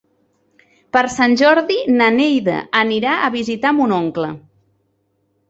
Per Sant Jordi na Neida anirà a visitar mon oncle.